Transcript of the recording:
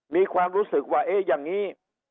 มีความรู้สึกว่าเอ๊ะอย่างนี้